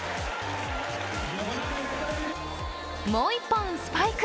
もう一本、スパイク。